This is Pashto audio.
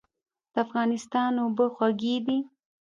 د افغانستان اوبه خوږې دي